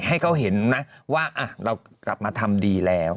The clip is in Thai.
ให้เขาเห็นนะว่าเรากลับมาทำดีแล้ว